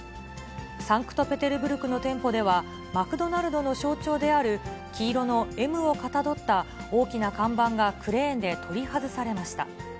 サンクトペテルブルクの店舗では、マクドナルドの象徴である、黄色のＭをかたどった大きな看板がクレーンで取り外されました。